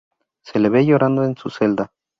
Se le ve llorando en su celda.